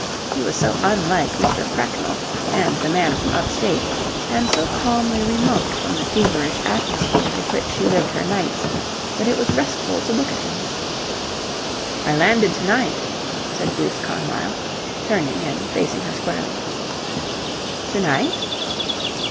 He was so unlike Mr. Cracknell and the man from up state and so calmly remote from the feverish atmosphere in which she lived her nights that it was restful to look at him. "I landed to night," said Bruce Carmyle, turning and faced her squarely. "To night!"